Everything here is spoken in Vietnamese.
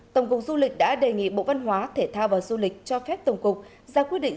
tổng cục du lịch đã đề nghị bộ văn hóa thể thao và du lịch cho phép tổng cục ra quyết định